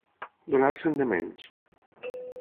Donar-se'n de menys.